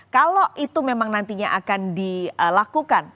kalau itu memang nantinya akan dilakukan